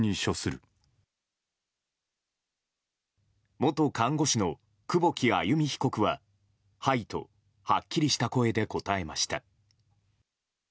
元看護師の久保木愛弓被告ははいとはっきりした声で答えました。